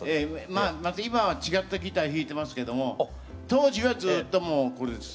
また今は違ったギター弾いてますけども当時はずっともうこれです。